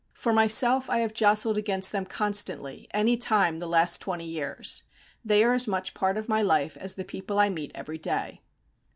For myself, I have jostled against them constantly any time the last twenty years. They are as much part of my life as the people I meet every day.